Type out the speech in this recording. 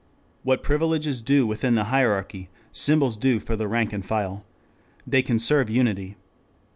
What privileges do within the hierarchy, symbols do for the rank and file. They conserve unity.